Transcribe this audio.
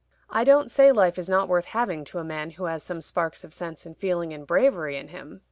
I don't say life is not worth having to a man who has some sparks of sense and feeling and bravery in him.